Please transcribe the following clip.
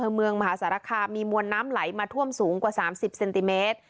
อำเภอเมืองมหาสารคามมีวนน้ำไหลมาท่วมสูงกว่าสามสิบเซนติเมตร